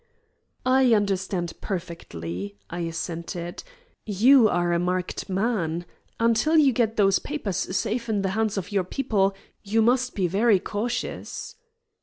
"I understand perfectly," I assented. "You are a marked man. Until you get those papers safe in the hands of your 'people,' you must be very cautious."